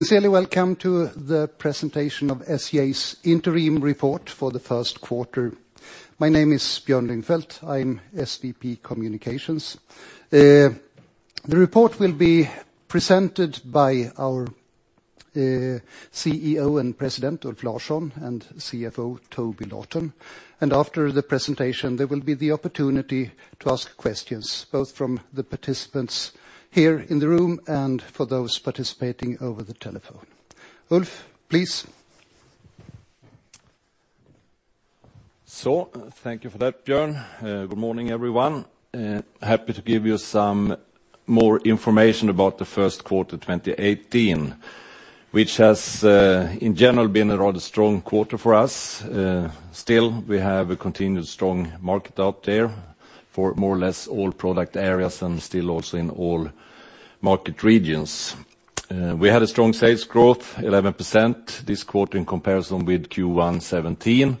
Sincerely welcome to the presentation of SCA's interim report for the first quarter. My name is Björn Lyngfelt. I'm SVP Communications. The report will be presented by our CEO and President, Ulf Larsson, and CFO, Toby Lawton. After the presentation, there will be the opportunity to ask questions, both from the participants here in the room and for those participating over the telephone. Ulf, please. Thank you for that, Björn. Good morning, everyone. Happy to give you some more information about the first quarter of 2018, which has, in general, been a rather strong quarter for us. Still, we have a continued strong market out there for more or less all product areas, and still also in all market regions. We had a strong sales growth, 11% this quarter in comparison with Q1 2017.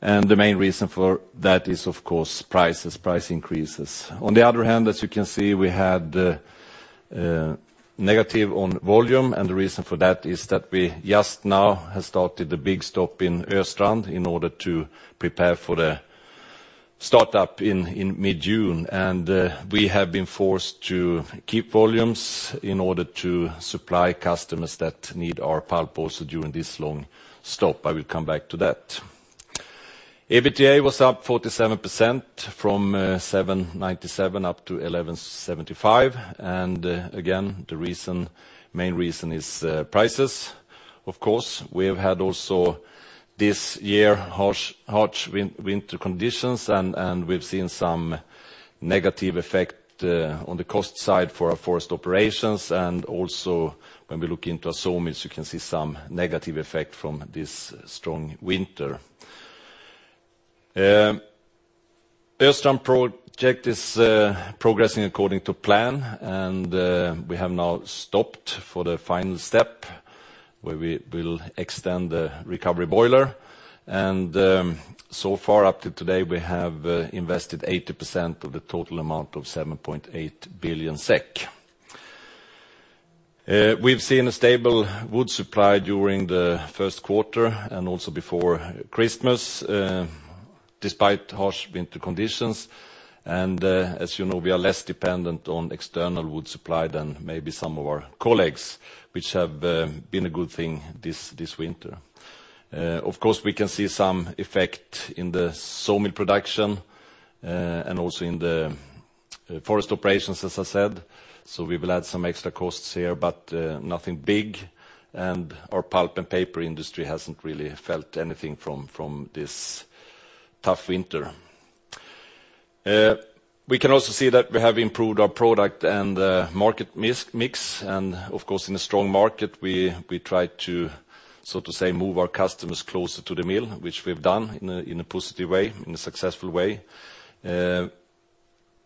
The main reason for that is, of course, price increases. On the other hand, as you can see, we had negative on volume, and the reason for that is that we just now have started the big stop in Östrand in order to prepare for the startup in mid-June. We have been forced to keep volumes in order to supply customers that need our pulp also during this long stop. I will come back to that. EBITDA was up 47% from 797 up to 1,175. Again, the main reason is prices, of course. We have had also this year, harsh winter conditions and we've seen some negative effect on the cost side for our forest operations. Also when we look into our sawmills, you can see some negative effect from this strong winter. Östrand project is progressing according to plan, and we have now stopped for the final step, where we will extend the recovery boiler. So far, up to today, we have invested 80% of the total amount of 7.8 billion SEK. We've seen a stable wood supply during the first quarter and also before Christmas, despite harsh winter conditions. As you know, we are less dependent on external wood supply than maybe some of our colleagues, which have been a good thing this winter. Of course, we can see some effect in the sawmill production, and also in the forest operations, as I said. We will add some extra costs here, but nothing big. Our pulp and paper industry hasn't really felt anything from this tough winter. We can also see that we have improved our product and market mix. Of course, in a strong market, we try to, so to say, move our customers closer to the mill, which we've done in a positive way, in a successful way.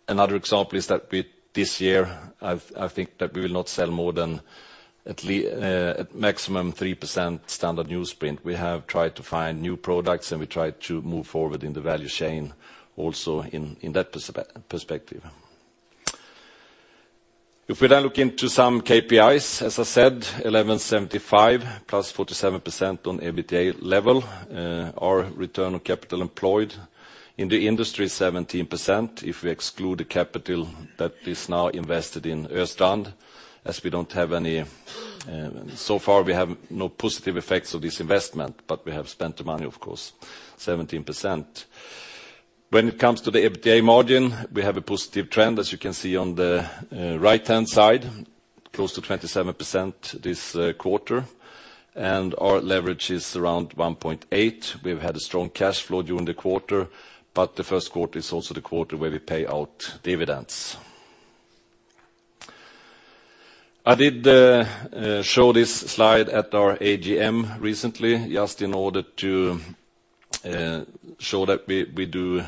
Another example is that this year, I think that we will not sell more than at maximum 3% standard newsprint. We have tried to find new products, and we try to move forward in the value chain also in that perspective. If we now look into some KPIs, as I said, 1,175 plus 47% on EBITDA level. Our return on capital employed in the industry is 17%. If we exclude the capital that is now invested in Östrand, as so far, we have no positive effects of this investment, but we have spent the money, of course, 17%. When it comes to the EBITDA margin, we have a positive trend, as you can see on the right-hand side, close to 27% this quarter. And our leverage is around 1.8. We've had a strong cash flow during the quarter, but the first quarter is also the quarter where we pay out dividends. I did show this slide at our AGM recently, just in order to show that we do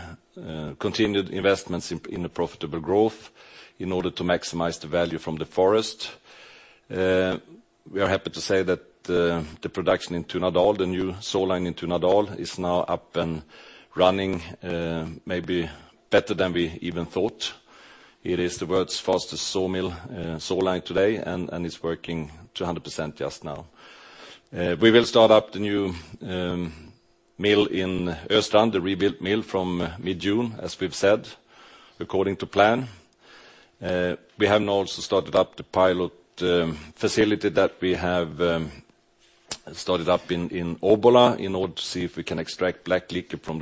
continued investments in the profitable growth in order to maximize the value from the forest. We are happy to say that the production in Tunadal, the new saw line in Tunadal, is now up and running, maybe better than we even thought. It is the world's fastest sawmill saw line today, and it's working 200% just now. We will start up the new mill in Östrand, the rebuilt mill from mid-June, as we've said, according to plan. We have now also started up the pilot facility that we have started up in Obbola in order to see if we can extract black liquor from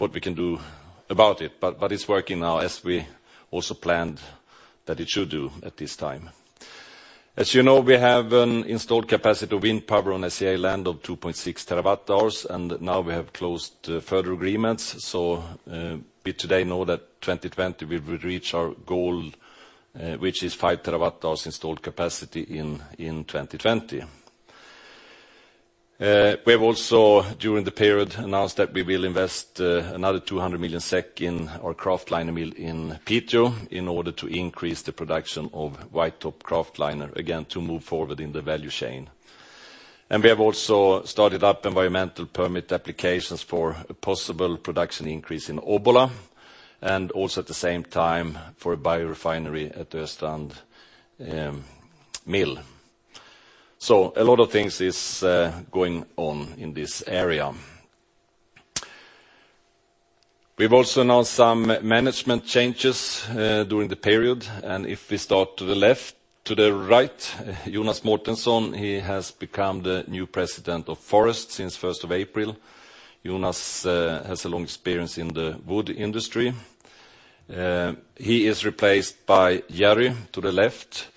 the process and from that produce biodiesel and some other green chemicals and things like that. The equipment is working, but it's still too early to judge what we can do about it. It's working now as we also planned that it should do at this time. As you know, we have an installed capacity of wind power on SCA land of 2.6 terawatt hours, and now we have closed further agreements. We today know that 2020 we will reach our goal, which is five terawatt hours installed capacity in 2020. We have also, during the period, announced that we will invest another 200 million SEK in our kraftliner mill in Piteå in order to increase the production of white top kraftliner, again, to move forward in the value chain. We have also started up environmental permit applications for a possible production increase in Obbola, and also at the same time for a biorefinery at the Östrand mill. A lot of things is going on in this area. We've also announced some management changes during the period, if we start to the right, Jonas Mårtensson, he has become the new president of Forest since 1st of April. Jonas has a long experience in the wood industry. He is replaced by Jerry, to the left.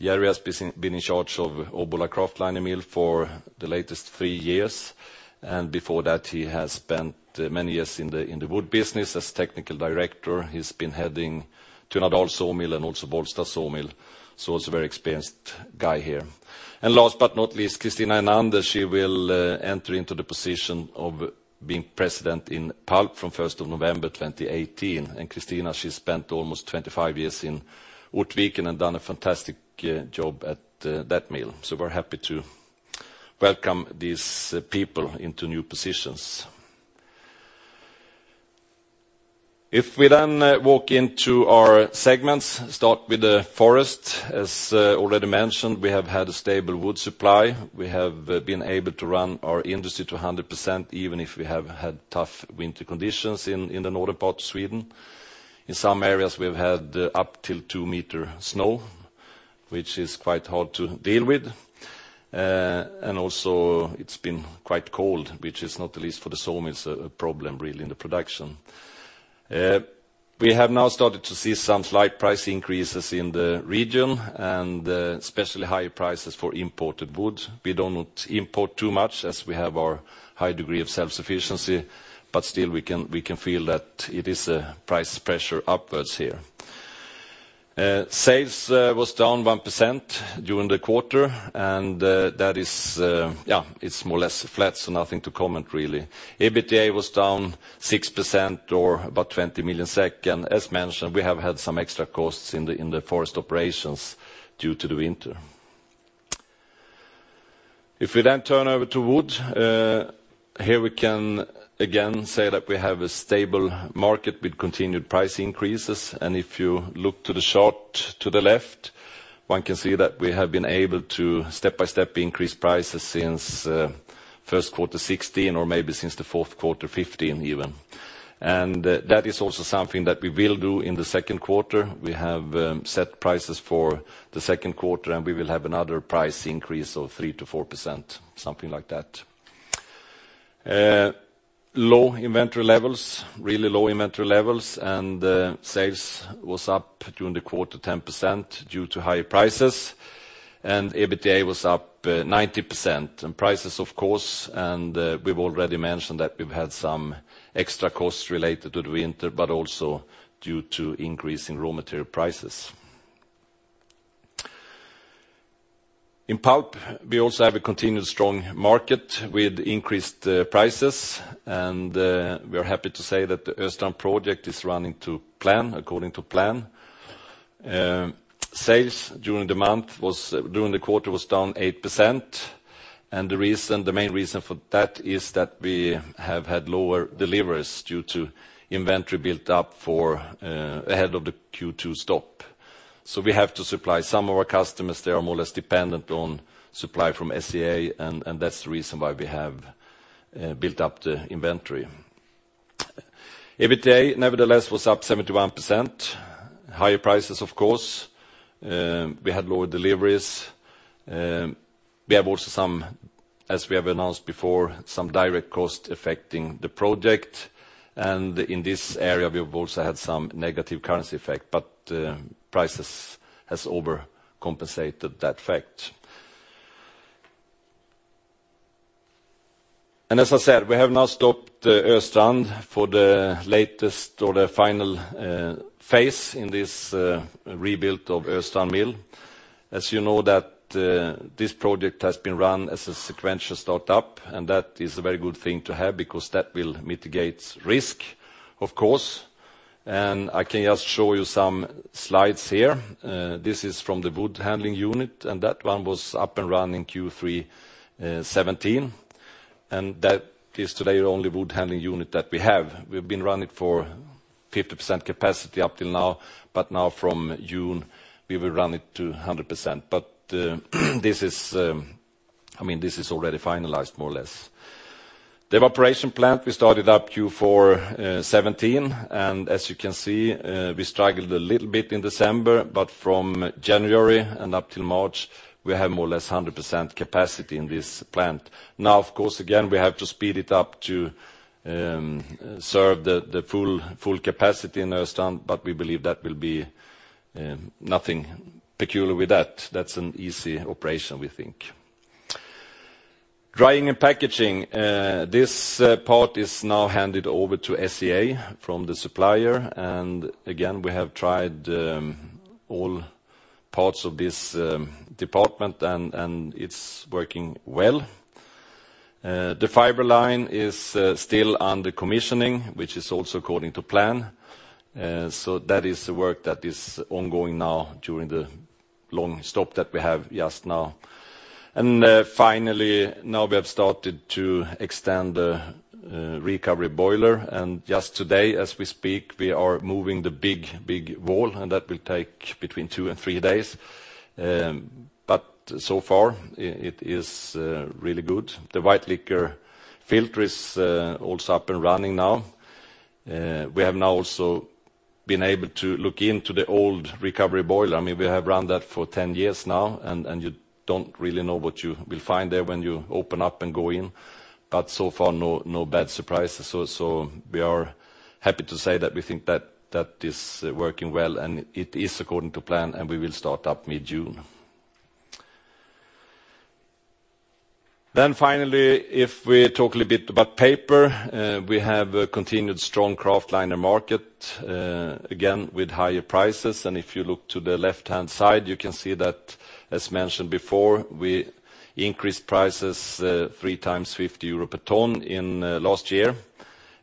Jerry has been in charge of Obbola mill for the latest three years, and before that, he has spent many years in the wood business as technical director. He's been heading Tunadal Sawmill and also Bollsta Sawmill, so it's a very experienced guy here. Last but not least, Kristina Enander. She will enter into the position of being president in Pulp from 1st of November 2018. Kristina, she spent almost 25 years in Ortviken and done a fantastic job at that mill. We're happy to welcome these people into new positions. Walk into our segments, start with the Forest. As already mentioned, we have had a stable wood supply. We have been able to run our industry to 100%, even if we have had tough winter conditions in the northern part of Sweden. In some areas, we've had up to 2-meter snow, which is quite hard to deal with. Also it's been quite cold, which is not, at least for the sawmills, a problem, really, in the production. We have now started to see some slight price increases in the region, and especially high prices for imported wood. We do not import too much, as we have our high degree of self-sufficiency, but still, we can feel that it is a price pressure upwards here. Sales was down 1% during the quarter. That is more or less flat, so nothing to comment, really. EBITDA was down 6% or about 20 million. As mentioned, we have had some extra costs in the forest operations due to the winter. Turn over to wood, here we can again say that we have a stable market with continued price increases. If you look to the chart to the left, one can see that we have been able to step by step increase prices since first quarter 2016, or maybe since the fourth quarter 2015 even. That is also something that we will do in the second quarter. We have set prices for the second quarter, and we will have another price increase of 3%-4%, something like that. Low inventory levels, really low inventory levels. Sales was up during the quarter 10% due to higher prices. EBITDA was up 90%. We've already mentioned that we've had some extra costs related to the winter, but also due to increase in raw material prices. In Pulp, we also have a continued strong market with increased prices, and we are happy to say that the Östrand project is running according to plan. Sales during the quarter was down 8%. The main reason for that is that we have had lower deliveries due to inventory built up ahead of the Q2 stop. We have to supply some of our customers. They are more or less dependent on supply from SCA, and that's the reason why we have built up the inventory. EBITDA, nevertheless, was up 71%. Higher prices, of course. We had lower deliveries. We have also, as we have announced before, some direct cost affecting the project, and in this area, we've also had some negative currency effect, but prices has overcompensated that fact. As I said, we have now stopped Östrand for the latest or the final phase in this rebuild of Östrand mill. This project has been run as a sequential startup, and that is a very good thing to have because that will mitigate risk, of course. I can just show you some slides here. This is from the wood handling unit, and that one was up and running Q3 2017, and that is today the only wood handling unit that we have. We've been running for 50% capacity up till now. Now from June, we will run it to 100%. This is already finalized, more or less. The evaporation plant we started up Q4 2017. As you can see, we struggled a little bit in December, but from January and up till March, we have more or less 100% capacity in this plant. Of course, again, we have to speed it up to serve the full capacity in Östrand, but we believe that will be nothing peculiar with that. That's an easy operation, we think. Drying and packaging. This part is now handed over to SCA from the supplier. Again, we have tried all parts of this department, and it's working well. The fiber line is still under commissioning, which is also according to plan. That is the work that is ongoing now during the long stop that we have just now. Finally, now we have started to extend the recovery boiler, and just today, as we speak, we are moving the big, big wall, and that will take between two and three days. So far it is really good. The white liquor filter is also up and running now. We have now also been able to look into the old recovery boiler. We have run that for 10 years now, and you don't really know what you will find there when you open up and go in. So far, no bad surprises. We are happy to say that we think that is working well, and it is according to plan, and we will start up mid-June. Finally, if we talk a little bit about paper, we have a continued strong kraftliner market, again, with higher prices. If you look to the left-hand side, you can see that, as mentioned before, we increased prices three times 50 euro per ton in last year.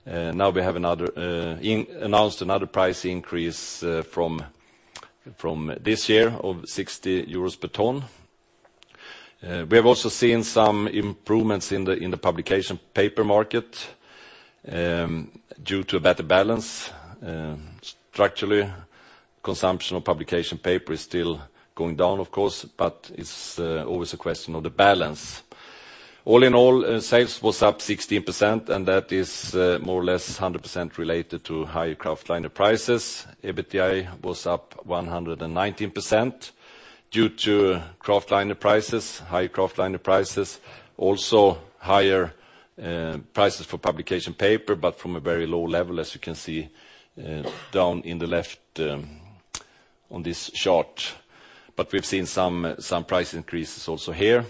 Now we have announced another price increase from this year of 60 euros per ton. We have also seen some improvements in the publication paper market due to a better balance. Structurally, consumption of publication paper is still going down, of course, but it's always a question of the balance. All in all, sales was up 16%. That is more or less 100% related to higher kraftliner prices. EBITDA was up 119% due to kraftliner prices, high kraftliner prices, also higher prices for publication paper, but from a very low level, as you can see down in the left on this chart. We've seen some price increases also here.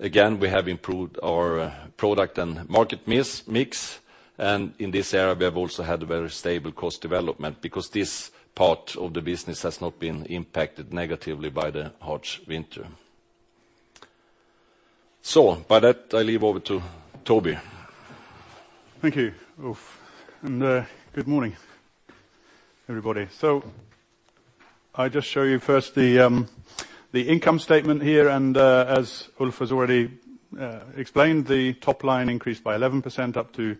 Again, we have improved our product and market mix, and in this area we have also had a very stable cost development because this part of the business has not been impacted negatively by the harsh winter. With that, I leave over to Toby. Thank you, Ulf, and good morning, everybody. I just show you first the income statement here, and as Ulf has already explained, the top line increased by 11% up to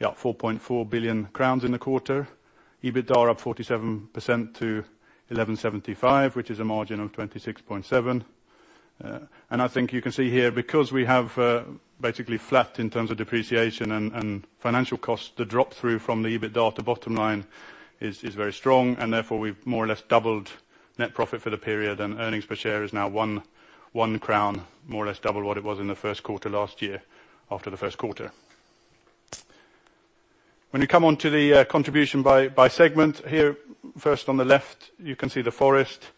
4.4 billion crowns in the quarter. EBITDA up 47% to 1,175, which is a margin of 26.7%. I think you can see here, because we have basically flat in terms of depreciation and financial cost, the drop-through from the EBITDA to bottom line is very strong, and therefore, we've more or less doubled net profit for the period, and earnings per share is now 1 crown, more or less double what it was in the first quarter last year after the first quarter. When you come onto the contribution by segment here, first on the left, you can see the Forest,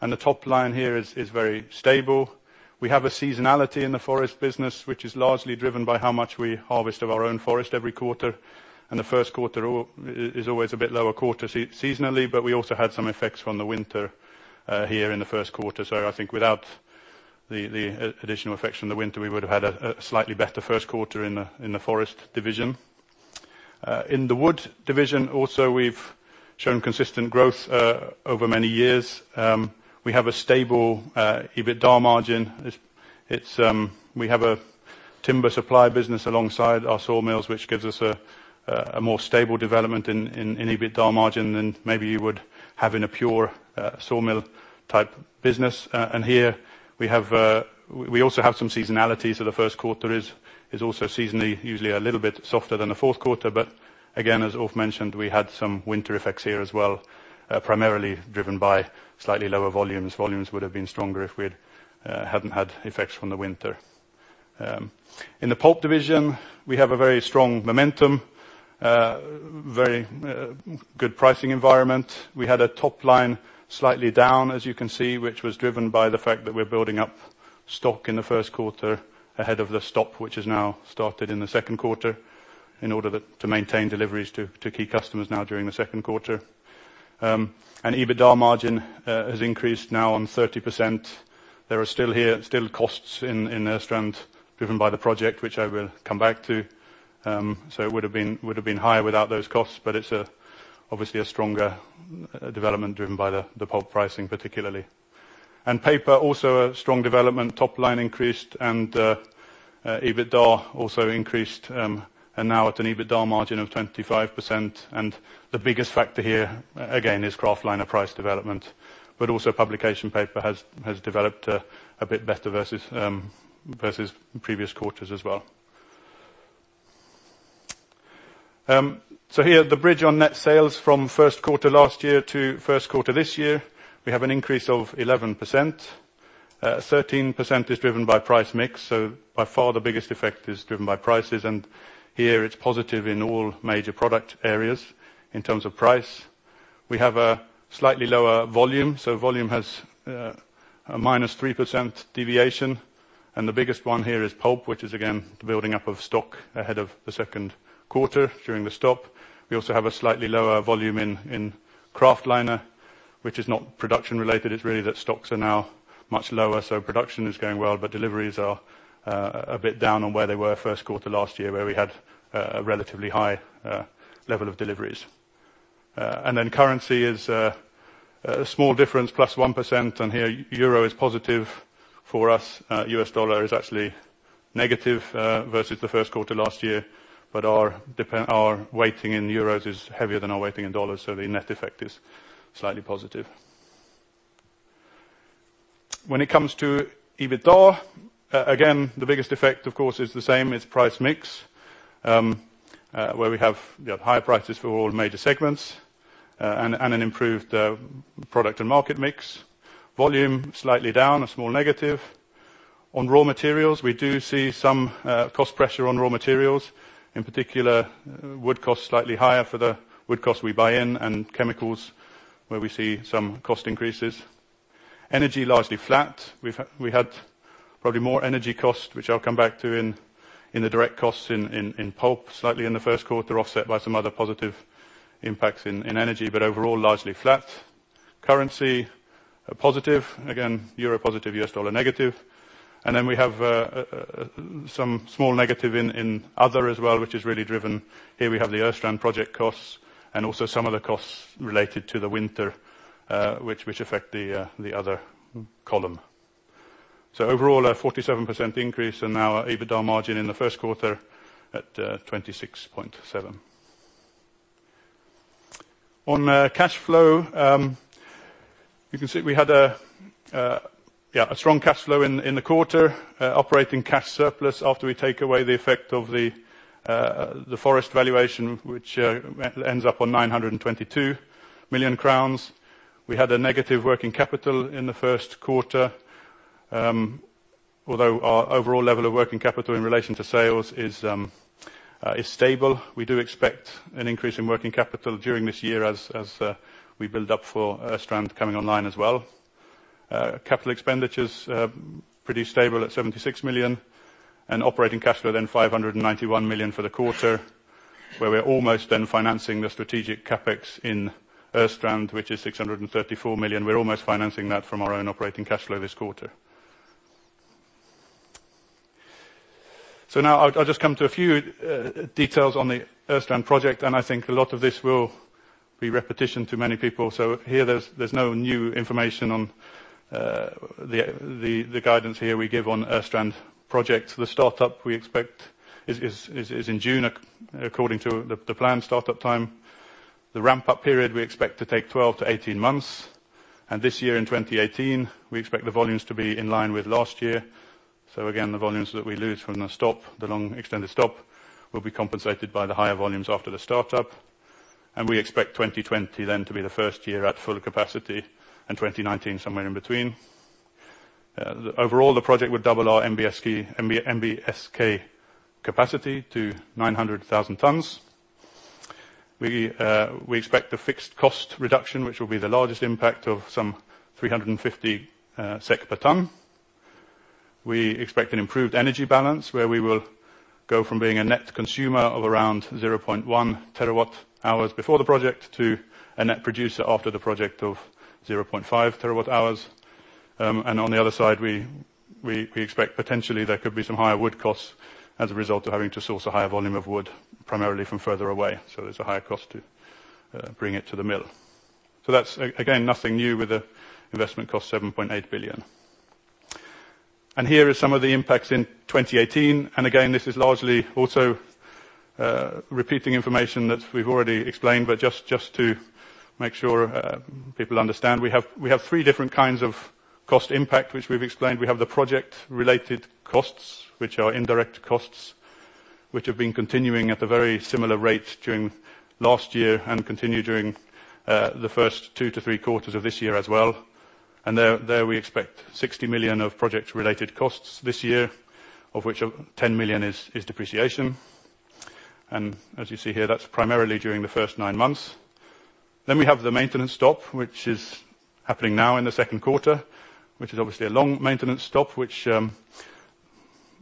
and the top line here is very stable. We have a seasonality in the Forest business, which is largely driven by how much we harvest of our own forest every quarter. The first quarter is always a bit lower quarter seasonally, but we also had some effects from the winter here in the first quarter. I think without the additional effects from the winter, we would have had a slightly better first quarter in the Forest division. In the Wood division also, we've shown consistent growth over many years. We have a stable EBITDA margin. We have a timber supply business alongside our sawmills, which gives us a more stable development in EBITDA margin than maybe you would have in a pure sawmill type business. Here we also have some seasonality, so the first quarter is also seasonally usually a little bit softer than the fourth quarter. Again, as Ulf mentioned, we had some winter effects here as well, primarily driven by slightly lower volumes. Volumes would have been stronger if we hadn't had effects from the winter. In the Pulp division, we have a very strong momentum, very good pricing environment. We had a top line slightly down, as you can see, which was driven by the fact that we're building up stock in the first quarter ahead of the stop, which has now started in the second quarter, in order to maintain deliveries to key customers now during the second quarter. EBITDA margin has increased now on 30%. There are still costs in Östrand driven by the project, which I will come back to. It would've been higher without those costs, but it's obviously a stronger development driven by the Pulp pricing, particularly. Paper, also a strong development. Top line increased and EBITDA also increased, and now at an EBITDA margin of 25%. The biggest factor here, again, is kraftliner price development, but also publication paper has developed a bit better versus previous quarters as well. Here, the bridge on net sales from first quarter last year to first quarter this year, we have an increase of 11%. 13% is driven by price mix, so by far the biggest effect is driven by prices, and here it's positive in all major product areas in terms of price. We have a slightly lower volume, so volume has a -3% deviation, and the biggest one here is Pulp, which is again, the building up of stock ahead of the second quarter during the stop. We also have a slightly lower volume in kraftliner. It is not production related, it is really that stocks are now much lower, so production is going well, but deliveries are a bit down on where they were first quarter last year, where we had a relatively high level of deliveries. Currency is a small difference, +1%, and here EUR is positive for us. US dollar is actually negative versus the first quarter last year, but our weighting in EUR is heavier than our weighting in USD, so the net effect is slightly positive. When it comes to EBITDA, again, the biggest effect, of course, is the same, is price mix, where we have higher prices for all major segments, and an improved product and market mix. Volume slightly down, a small negative. On raw materials, we do see some cost pressure on raw materials, in particular wood cost slightly higher for the wood cost we buy in and chemicals, where we see some cost increases. Energy, largely flat. We had probably more energy cost, which I will come back to in the direct costs in pulp, slightly in the first quarter, offset by some other positive impacts in energy, but overall, largely flat. Currency, a positive. Again, EUR positive, US dollar negative. We have some small negative in other as well, which is really driven. Here we have the Östrand project costs and also some of the costs related to the winter, which affect the other column. Overall, a 47% increase in our EBITDA margin in the first quarter at 26.7%. On cash flow, you can see we had a strong cash flow in the quarter. Operating cash surplus after we take away the effect of the forest valuation, which ends up on 922 million crowns. We had a negative working capital in the first quarter. Although our overall level of working capital in relation to sales is stable, we do expect an increase in working capital during this year as we build up for Östrand coming online as well. Capital expenditures, pretty stable at 76 million, and operating cash flow then 591 million for the quarter, where we are almost then financing the strategic CapEx in Östrand, which is 634 million. We are almost financing that from our own operating cash flow this quarter. Now I will just come to a few details on the Östrand project, and I think a lot of this will be repetition to many people. Here there is no new information on the guidance here we give on Östrand project. The startup we expect is in June, according to the plan startup time. The ramp-up period we expect to take 12-18 months, and this year in 2018, we expect the volumes to be in line with last year. Again, the volumes that we lose from the stop, the long extended stop, will be compensated by the higher volumes after the startup. We expect 2020 then to be the first year at full capacity and 2019 somewhere in between. Overall, the project would double our NBSK capacity to 900,000 tons. We expect the fixed cost reduction, which will be the largest impact of some 350 SEK per ton. We expect an improved energy balance, where we will go from being a net consumer of around 0.1 terawatt hours before the project to a net producer after the project of 0.5 terawatt hours. On the other side, we expect potentially there could be some higher wood costs as a result of having to source a higher volume of wood, primarily from further away. There's a higher cost to bring it to the mill. That's, again, nothing new with the investment cost 7.8 billion. Here are some of the impacts in 2018. Again, this is largely also repeating information that we've already explained, but just to make sure people understand, we have three different kinds of cost impact, which we've explained. We have the project-related costs, which are indirect costs, which have been continuing at a very similar rate during last year and continue during the first two to three quarters of this year as well. There we expect 60 million of project-related costs this year, of which 10 million is depreciation. As you see here, that's primarily during the first nine months. We have the maintenance stop, which is happening now in the second quarter, which is obviously a long maintenance stop, which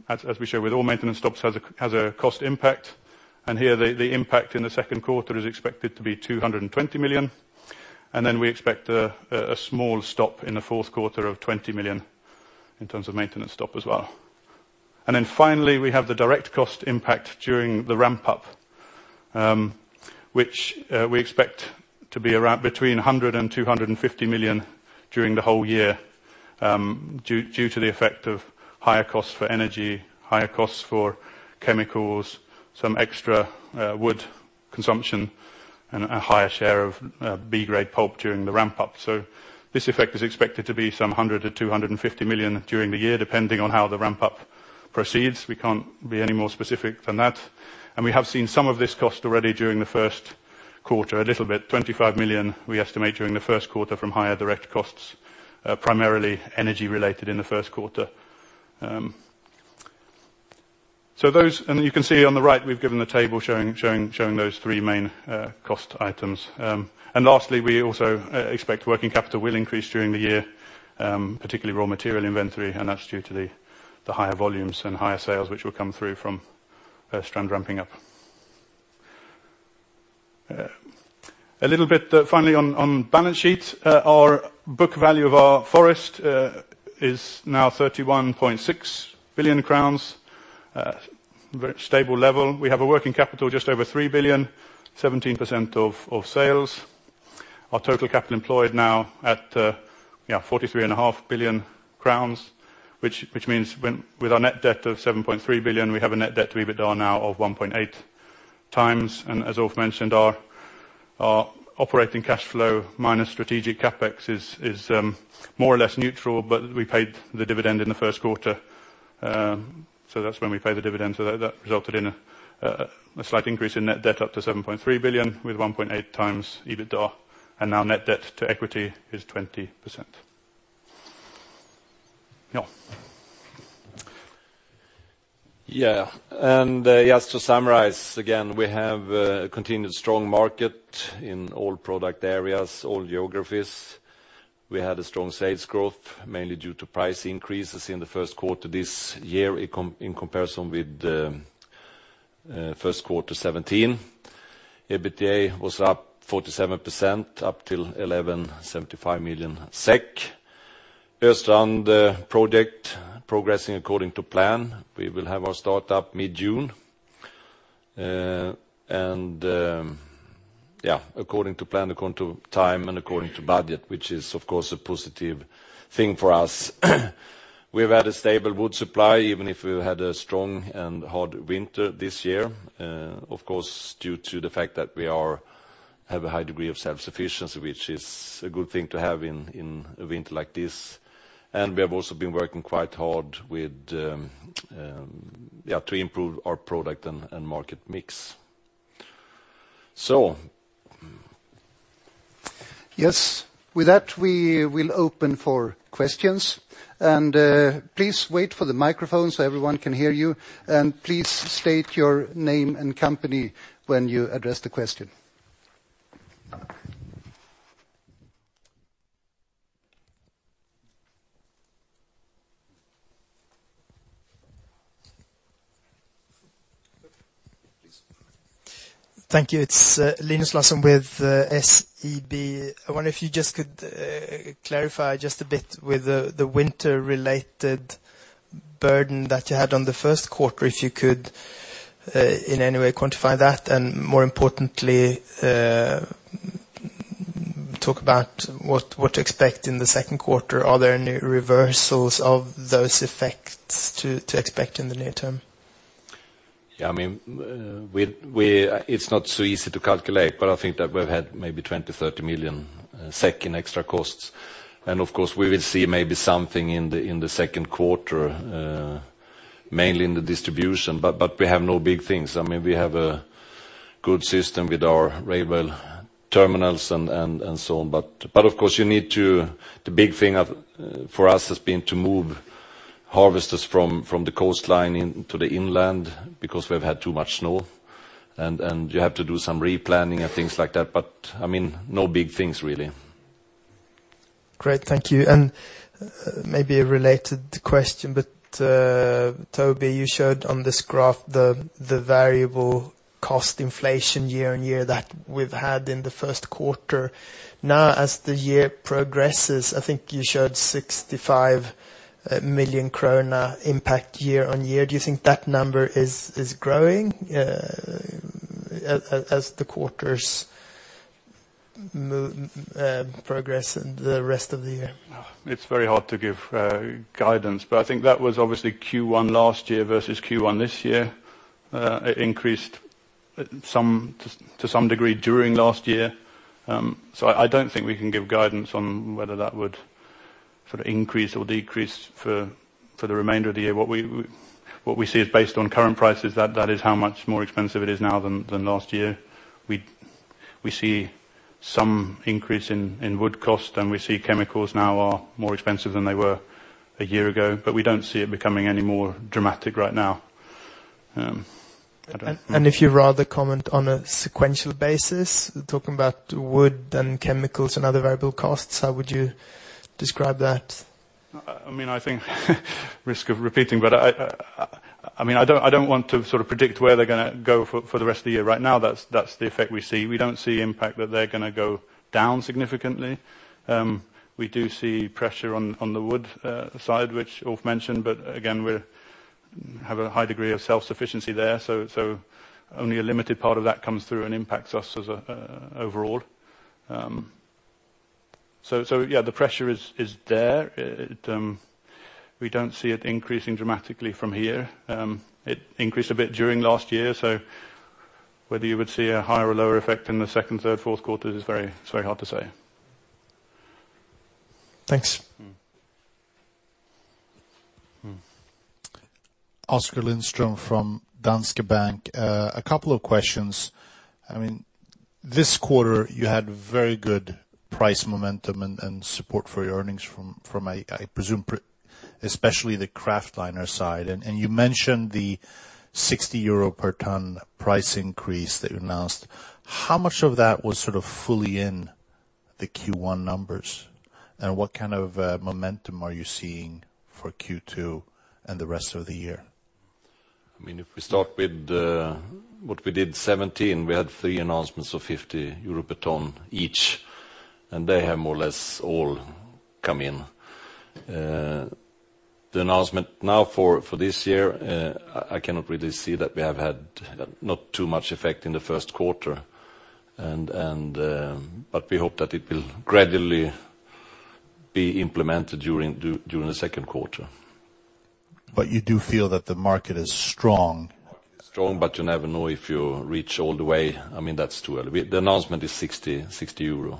as we show with all maintenance stops, has a cost impact. Here the impact in the second quarter is expected to be 220 million. We expect a small stop in the fourth quarter of 20 million in terms of maintenance stop as well. Finally, we have the direct cost impact during the ramp-up, which we expect to be around between 100 million and 250 million during the whole year due to the effect of higher costs for energy, higher costs for chemicals, some extra wood consumption, and a higher share of B-grade pulp during the ramp-up. This effect is expected to be some 100 million to 250 million during the year, depending on how the ramp-up proceeds. We can't be any more specific than that. We have seen some of this cost already during the first quarter, a little bit, 25 million we estimate during the first quarter from higher direct costs, primarily energy-related in the first quarter. Those, and you can see on the right, we've given the table showing those three main cost items. Lastly, we also expect working capital will increase during the year, particularly raw material inventory, and that's due to the higher volumes and higher sales, which will come through from Östrand ramping up. A little bit finally on balance sheet. Our book value of our forest is now 31.6 billion crowns. A very stable level. We have a working capital just over 3 billion, 17% of sales. Our total capital employed now at 43.5 billion crowns, which means with our net debt of 7.3 billion, we have a net debt to EBITDA now of 1.8 times. As Ulf mentioned, our operating cash flow minus strategic CapEx is more or less neutral, but we paid the dividend in the first quarter. That's when we pay the dividend. That resulted in a slight increase in net debt up to 7.3 billion, with 1.8 times EBITDA. Now net debt to equity is 20%. Ulf. Yeah. Just to summarize again, we have a continued strong market in all product areas, all geographies. We had a strong sales growth, mainly due to price increases in the first quarter this year in comparison with the first quarter 2017. EBITDA was up 47%, up to 1,175 million SEK. Östrand project progressing according to plan. We will have our start-up mid-June. According to plan, according to time, and according to budget, which is, of course, a positive thing for us. We've had a stable wood supply, even if we've had a strong and hard winter this year. Of course, due to the fact that we have a high degree of self-sufficiency, which is a good thing to have in a winter like this. We have also been working quite hard to improve our product and market mix. Yes. With that, we will open for questions. Please wait for the microphone so everyone can hear you, and please state your name and company when you address the question. Thank you. It's Linus Larsson with SEB. I wonder if you just could clarify just a bit with the winter-related burden that you had on the first quarter. If you could in any way quantify that, and more importantly, talk about what to expect in the second quarter. Are there any reversals of those effects to expect in the near term? Yeah, it's not so easy to calculate, but I think that we've had maybe 20 million-30 million SEK in extra costs. Of course, we will see maybe something in the second quarter, mainly in the distribution, but we have no big things. We have a good system with our rail terminals and so on. Of course, the big thing for us has been to move harvesters from the coastline into the inland because we've had too much snow, and you have to do some replanning and things like that, but no big things really. Great. Thank you. Maybe a related question, but Toby, you showed on this graph the variable cost inflation year-on-year that we've had in the first quarter. As the year progresses, I think you showed 65 million kronor impact year-on-year. Do you think that number is growing as the quarters progress in the rest of the year? It's very hard to give guidance, I think that was obviously Q1 last year versus Q1 this year. It increased to some degree during last year. I don't think we can give guidance on whether that would sort of increase or decrease for the remainder of the year. What we see is based on current prices, that is how much more expensive it is now than last year. We see some increase in wood cost, we see chemicals now are more expensive than they were a year ago, we don't see it becoming any more dramatic right now. I don't know. If you'd rather comment on a sequential basis, talking about wood and chemicals and other variable costs, how would you describe that? Risk of repeating, I don't want to sort of predict where they're going to go for the rest of the year. Right now, that's the effect we see. We don't see impact that they're going to go down significantly. We do see pressure on the wood side, which Ulf mentioned, again, we have a high degree of self-sufficiency there, only a limited part of that comes through and impacts us overall. Yeah, the pressure is there. We don't see it increasing dramatically from here. It increased a bit during last year, whether you would see a higher or lower effect in the second, third, fourth quarter is very hard to say. Thanks. Oskar Lindström from Danske Bank. A couple of questions. This quarter you had very good price momentum and support for your earnings from, I presume, especially the kraftliner side. You mentioned the 60 euro per ton price increase that you announced. How much of that was fully in the Q1 numbers? What kind of momentum are you seeing for Q2 and the rest of the year? If we start with what we did 2017, we had 3 announcements of 50 euro per ton each, they have more or less all come in. The announcement now for this year, I cannot really see that we have had not too much effect in the first quarter. We hope that it will gradually be implemented during the second quarter. You do feel that the market is strong? The market is strong, you never know if you reach all the way. That's too early. The announcement is 60 euro. All right. So.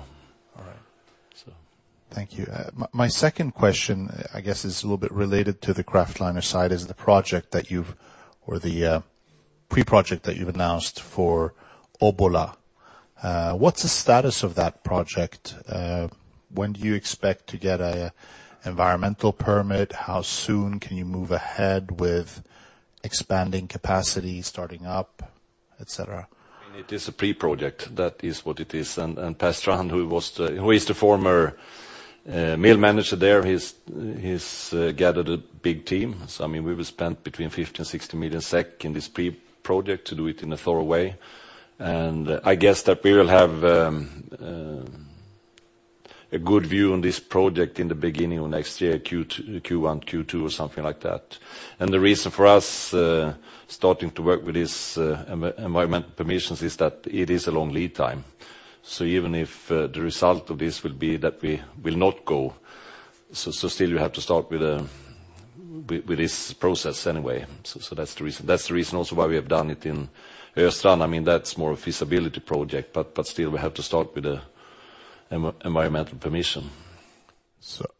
Thank you. My second question, I guess, is a little bit related to the kraftliner side, is the pre-project that you've announced for Obbola. What's the status of that project? When do you expect to get an environmental permit? How soon can you move ahead with expanding capacity, starting up, et cetera? It is a pre-project. That is what it is. Per Strand, who is the former mill manager there, he's gathered a big team. We will spend between 50 and 60 million SEK in this pre-project to do it in a thorough way. I guess that we will have a good view on this project in the beginning of next year, Q1, Q2, or something like that. The reason for us starting to work with these environmental permissions is that it is a long lead time. Even if the result of this will be that we will not go, still you have to start with this process anyway. That's the reason also why we have done it in Östrand. That's more a feasibility project, but still, we have to start with the environmental permission.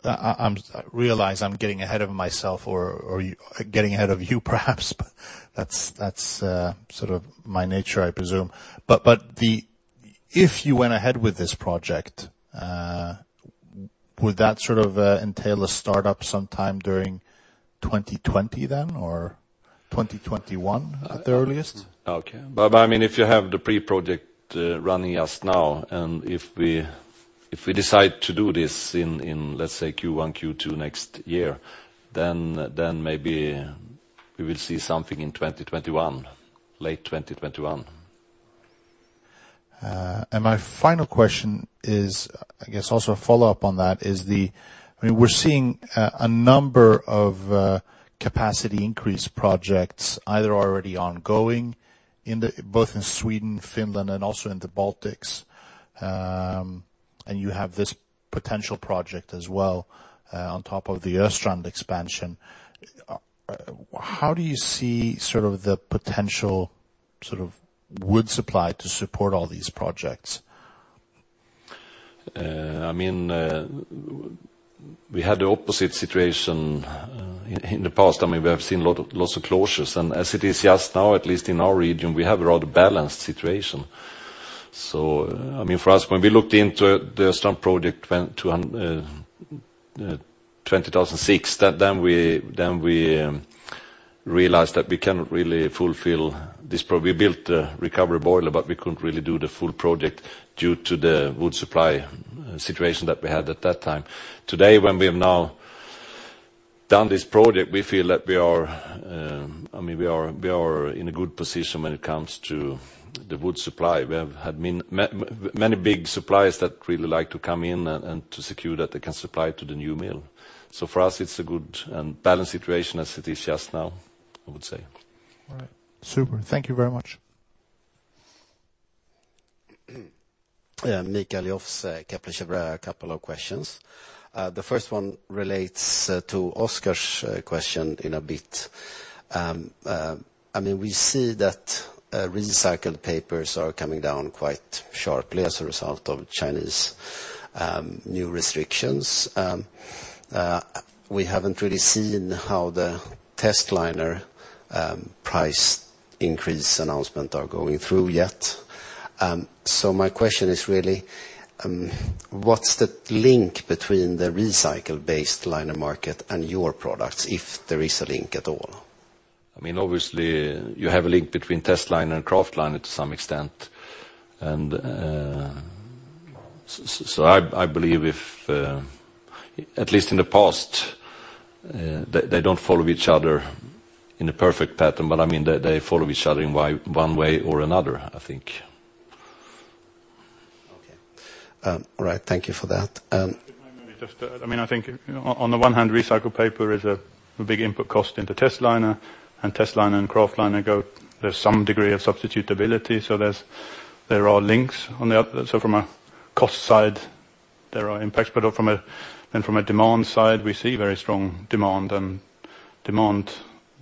I realize I'm getting ahead of myself or getting ahead of you perhaps, but that's my nature, I presume. If you went ahead with this project, would that entail a startup sometime during 2020 then, or 2021 at the earliest? Okay. If you have the pre-project running just now, if we decide to do this in, let's say Q1, Q2 next year, then maybe we will see something in 2021, late 2021. My final question is, I guess also a follow-up on that is we're seeing a number of capacity increase projects, either already ongoing both in Sweden, Finland, and also in the Baltics. You have this potential project as well, on top of the Östrand expansion. How do you see the potential wood supply to support all these projects? We had the opposite situation in the past. We have seen lots of closures, as it is just now, at least in our region, we have a rather balanced situation. For us, when we looked into the Östrand project 2006, we realized that we cannot really fulfill this. We built a recovery boiler, we couldn't really do the full project due to the wood supply situation that we had at that time. Today, when we have now done this project, we feel that we are in a good position when it comes to the wood supply. We have had many big suppliers that really like to come in and to secure that they can supply to the new mill. For us, it's a good and balanced situation as it is just now, I would say. All right. Super. Thank you very much. Mikael Joffs, Kepler Cheuvreux, a couple of questions. The first one relates to Oskar's question in a bit. We see that recycled papers are coming down quite sharply as a result of Chinese new restrictions. We haven't really seen how the testliner price increase announcement are going through yet. My question is really, what's the link between the recycle-based liner market and your products, if there is a link at all? Obviously, you have a link between testliner and kraftliner to some extent. I believe if, at least in the past, they don't follow each other in a perfect pattern, they follow each other in one way or another, I think. Okay. All right. Thank you for that. If I may just add, I think on the one hand, recycled paper is a big input cost into testliner and kraftliner, there's some degree of substitutability, there are links on the output. From a cost side, there are impacts. From a demand side, we see very strong demand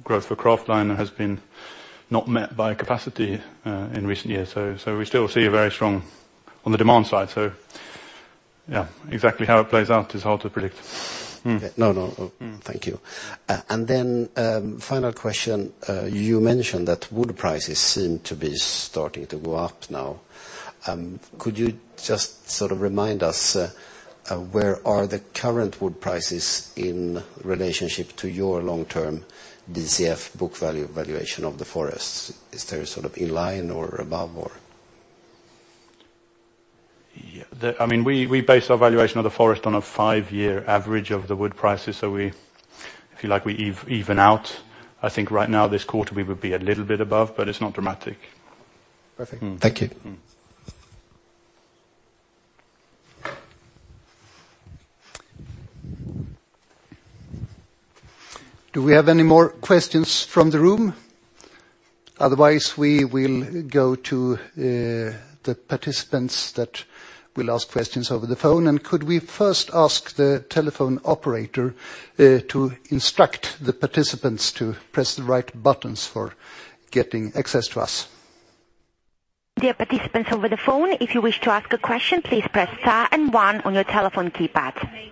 growth for kraftliner has been not met by capacity in recent years. We still see it very strong on the demand side, so yeah, exactly how it plays out is hard to predict. No, no. Thank you. Final question, you mentioned that wood prices seem to be starting to go up now. Could you just remind us where are the current wood prices in relationship to your long-term DCF book value valuation of the forests? Is there a sort of in line or above or We base our valuation of the forest on a five-year average of the wood prices. We even out. I think right now, this quarter, we would be a little bit above, but it's not dramatic. Perfect. Thank you. Do we have any more questions from the room? Otherwise, we will go to the participants that will ask questions over the phone. Could we first ask the telephone operator to instruct the participants to press the right buttons for getting access to us? Dear participants over the phone, if you wish to ask a question, please press star and one on your telephone keypad.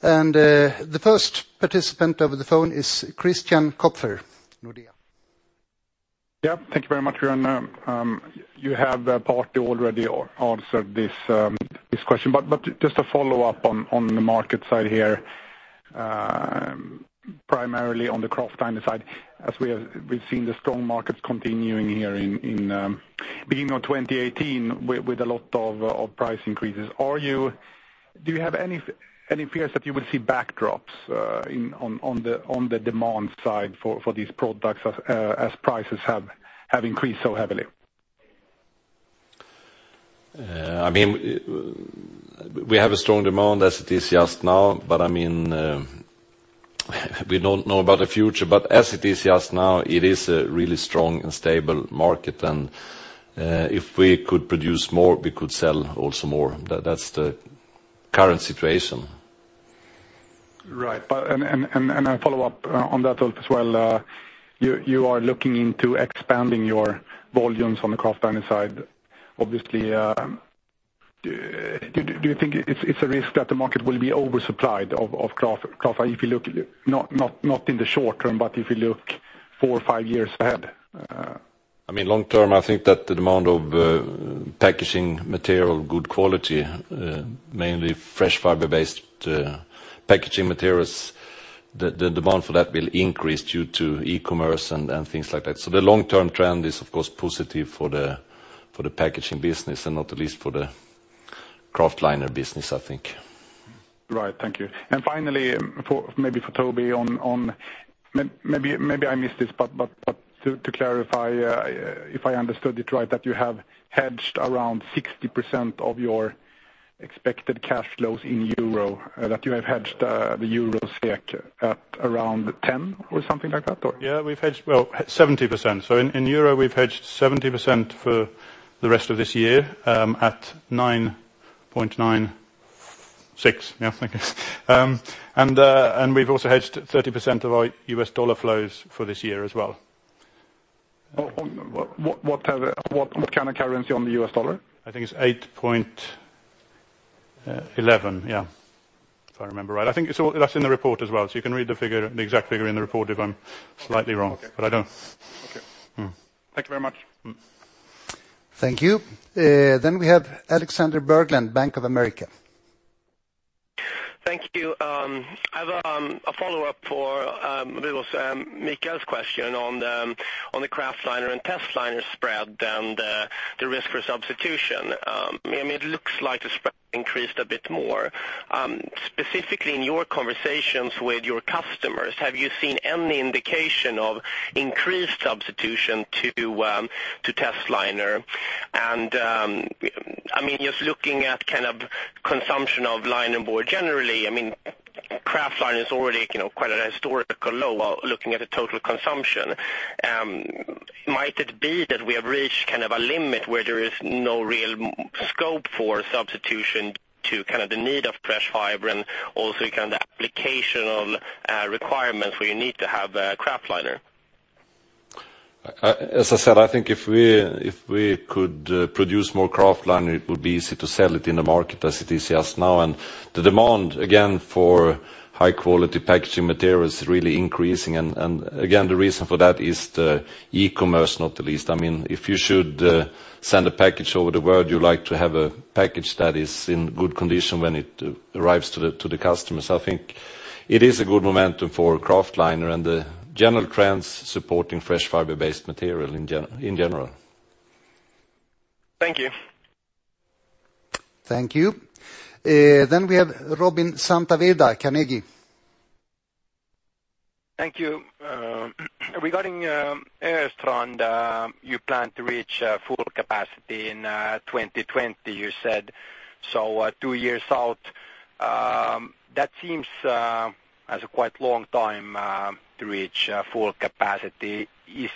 The first participant over the phone is Christian Kopfer, Nordea. Yep. Thank you very much, Björn. You have partly already answered this question, but just a follow-up on the market side here, primarily on the kraftliner side, as we've seen the strong markets continuing here in beginning of 2018 with a lot of price increases. Do you have any fears that you will see backdrops on the demand side for these products as prices have increased so heavily? We have a strong demand as it is just now, but we don't know about the future. As it is just now, it is a really strong and stable market, and if we could produce more, we could sell also more. That's the current situation. Right. A follow-up on that as well. You are looking into expanding your volumes on the kraftliner side, obviously. Do you think it's a risk that the market will be oversupplied of kraft? If you look not in the short term, but if you look four or five years ahead. Long term, I think that the demand of packaging material, good quality, mainly fresh fiber-based packaging materials, the demand for that will increase due to e-commerce and things like that. The long-term trend is, of course, positive for the packaging business and not the least for the kraftliner business, I think. Right. Thank you. Finally, maybe for Toby, maybe I missed this, but to clarify, if I understood it right, that you have hedged around 60% of your expected cash flows in EUR, that you have hedged the EUR SEK at around 10 or something like that? Yeah, we've hedged 70%. In EUR, we've hedged 70% for the rest of this year at 9.96. Yeah, I think it is. We've also hedged 30% of our USD flows for this year as well. On what kind of currency on the US dollar? I think it's 8.11, yeah, if I remember right. I think that's in the report as well. You can read the exact figure in the report if I'm slightly wrong. Okay. I don't Okay. Thank you very much. Thank you. We have Alexander Berglund, Bank of America. Thank you. I have a follow-up for Mikael's question on the kraftliner and testliner spread and the risk for substitution. It looks like the spread increased a bit more. Specifically in your conversations with your customers, have you seen any indication of increased substitution to testliner? Just looking at consumption of liner board generally, kraftliner is already quite at a historical low looking at the total consumption. Might it be that we have reached a limit where there is no real scope for substitution to the need of fresh fiber and also the application of requirements where you need to have a kraftliner? As I said, I think if we could produce more kraftliner, it would be easy to sell it in the market as it is just now. The demand, again, for high-quality packaging material is really increasing. Again, the reason for that is the e-commerce, not the least. If you should send a package over the world, you like to have a package that is in good condition when it arrives to the customers. I think it is a good momentum for kraftliner and the general trends supporting fresh fiber-based material in general. Thank you. Thank you. We have Robin Santavirta, Carnegie. Thank you. Regarding Östrand, you plan to reach full capacity in 2020, you said. Two years out. That seems as a quite long time to reach full capacity.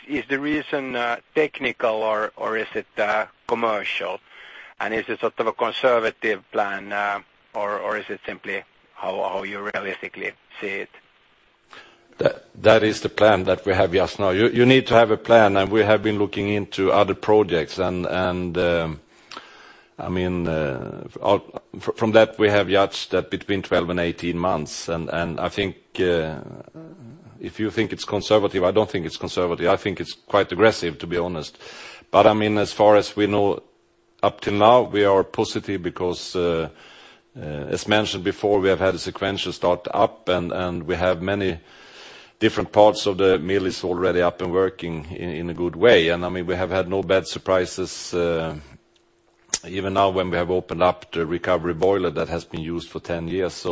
Is the reason technical or is it commercial? Is it sort of a conservative plan? Is it simply how you realistically see it? That is the plan that we have just now. You need to have a plan, we have been looking into other projects, from that, we have judged that between 12 and 18 months. I think if you think it's conservative, I don't think it's conservative. I think it's quite aggressive, to be honest. As far as we know up till now, we are positive because, as mentioned before, we have had a sequential start up, we have many different parts of the mill is already up and working in a good way. We have had no bad surprises, even now when we have opened up the recovery boiler that has been used for 10 years.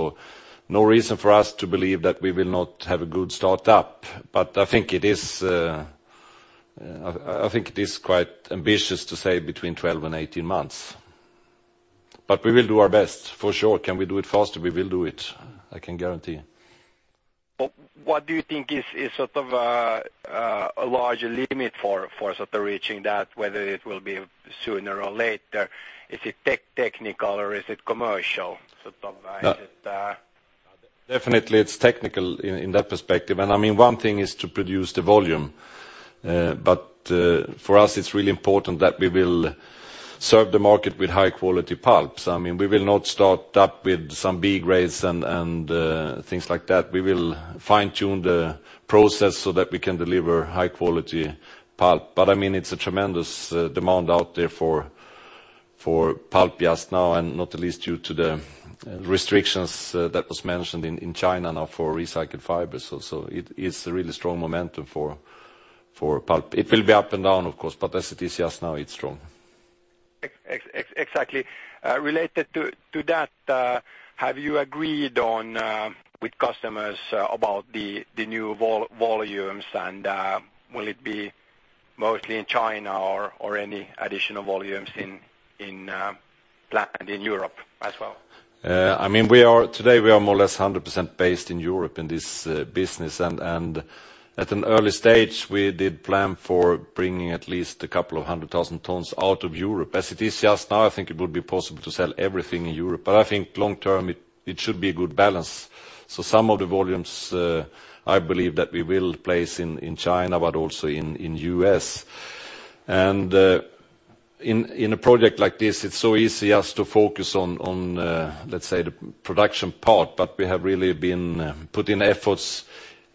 No reason for us to believe that we will not have a good start-up. I think it is quite ambitious to say between 12 and 18 months. We will do our best for sure. Can we do it faster? We will do it, I can guarantee. What do you think is a larger limit for reaching that, whether it will be sooner or later? Is it technical or is it commercial? Definitely it's technical in that perspective. One thing is to produce the volume. For us, it's really important that we will serve the market with high-quality pulps. We will not start up with some B grades and things like that. We will fine-tune the process so that we can deliver high-quality pulp. It's a tremendous demand out there for pulp just now, and not least due to the restrictions that was mentioned in China now for recycled fibers also. It's a really strong momentum for pulp. It will be up and down, of course, but as it is just now, it's strong. Exactly. Related to that, have you agreed with customers about the new volumes? Will it be mostly in China or any additional volumes planned in Europe as well? Today we are more or less 100% based in Europe in this business. At an early stage, we did plan for bringing at least a couple of hundred thousand tons out of Europe. As it is just now, I think it would be possible to sell everything in Europe. I think long term, it should be a good balance. Some of the volumes, I believe that we will place in China, but also in U.S. In a project like this, it's so easy just to focus on, let's say, the production part, but we have really been putting efforts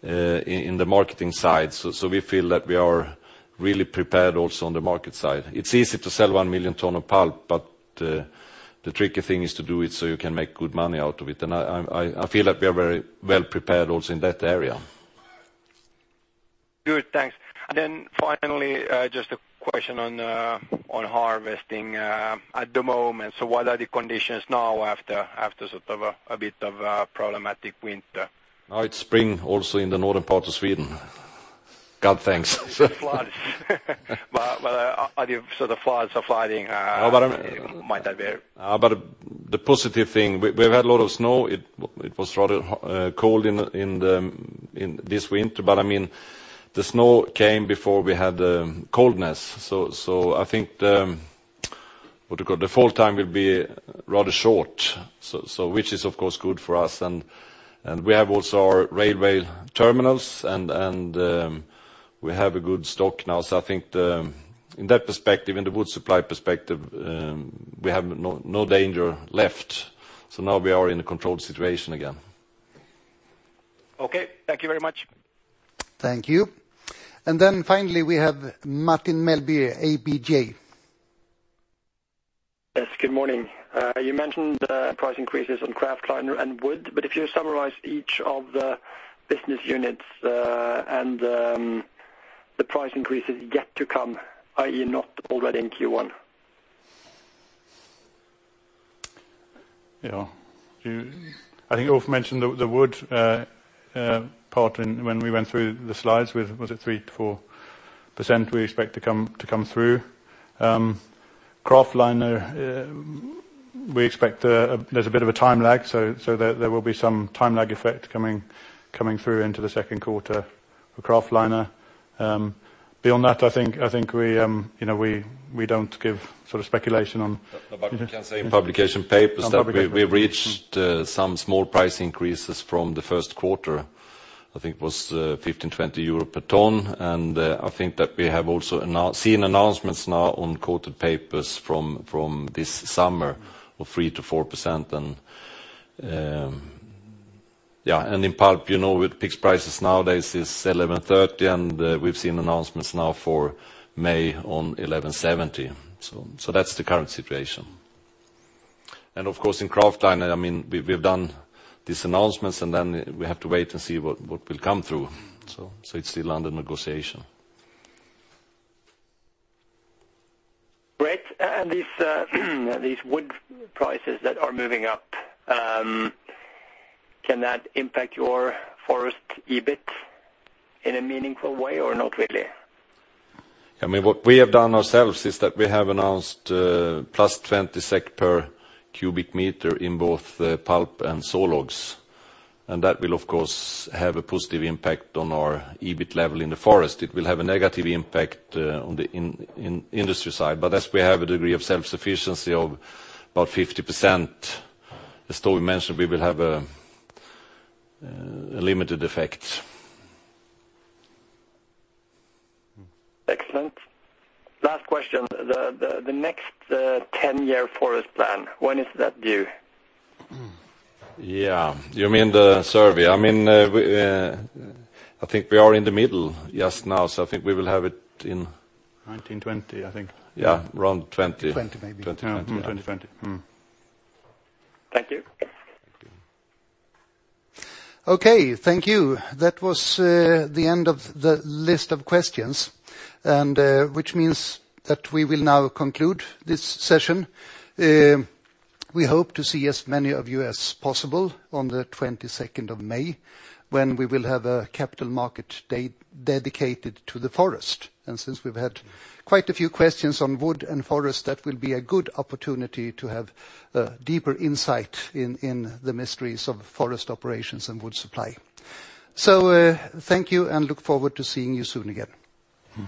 in the marketing side. We feel that we are really prepared also on the market side. It's easy to sell 1 million ton of pulp, but the tricky thing is to do it so you can make good money out of it. I feel that we are very well prepared also in that area. Good. Thanks. Finally, just a question on harvesting at the moment. What are the conditions now after a bit of a problematic winter? Now it's spring also in the northern part of Sweden. God, thanks. Well, are you sort of flooding? The positive thing, we've had a lot of snow. It was rather cold in this winter, but the snow came before we had the coldness. I think the, what do you call it, the fall time will be rather short, so which is of course good for us. We have also our railway terminals, and we have a good stock now. I think in that perspective, in the wood supply perspective, we have no danger left. Now we are in a controlled situation again. Okay. Thank you very much. Thank you. Then finally we have Martin Melbye, ABG. Yes, good morning. You mentioned price increases on kraftliner and wood, if you summarize each of the business units, and the price increases yet to come, i.e., not already in Q1? Yeah. I think Ulf mentioned the wood part when we went through the slides with, was it 3%-4% we expect to come through. Kraftliner, we expect there's a bit of a time lag, so there will be some time lag effect coming through into the second quarter for kraftliner. Beyond that, I think we don't give sort of speculation on. We can say in publication papers. On publication. That we've reached some small price increases from the first quarter. I think it was 15, 20 euro per ton. I think that we have also seen announcements now on coated papers from this summer of 3%-4%. In pulp, with fixed prices nowadays is 11.30, and we've seen announcements now for May on 11.70. That's the current situation. Of course, in kraftliner, we've done these announcements, and then we have to wait and see what will come through. It's still under negotiation. Great. These wood prices that are moving up, can that impact your forest EBIT in a meaningful way or not really? What we have done ourselves is that we have announced plus 20 SEK per cubic meter in both the pulp and sawlogs. That will, of course, have a positive impact on our EBIT level in the forest. It will have a negative impact on the industry side. As we have a degree of self-sufficiency of about 50%, as Toby mentioned, we will have a limited effect. Excellent. Last question. The next 10-year forest plan, when is that due? Yeah. You mean the survey? I think we are in the middle just now, so I think we will have it. 201920, I think Yeah, around '20. '20, maybe. 2020. 2020. Thank you. Thank you. Okay. Thank you. That was the end of the list of questions, which means that we will now conclude this session. We hope to see as many of you as possible on the 22nd of May when we will have a capital market dedicated to the forest. Since we've had quite a few questions on wood and forest, that will be a good opportunity to have a deeper insight in the mysteries of forest operations and wood supply. Thank you, and look forward to seeing you soon again.